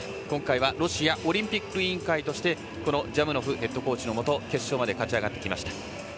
今回はロシアオリンピック委員会としてジャムノフコーチのもと決勝まで勝ち上がりました。